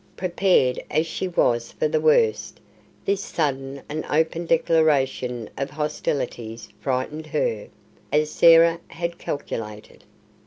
Prepared as she was for the worst, this sudden and open declaration of hostilities frightened her, as Sarah had calculated.